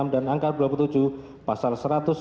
dan angka dua puluh tujuh pasal